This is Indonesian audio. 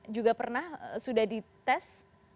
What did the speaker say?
juga pernah sudah di tes